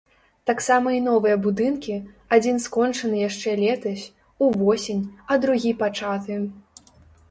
Таксама і новыя будынкі, адзін скончаны яшчэ летась, увосень, а другі пачаты.